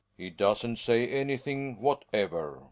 He doesn't say anything whatever.